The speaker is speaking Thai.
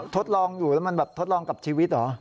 ทดลองอยู่แล้วมันแบบทดลองกับชีวิตเหรอ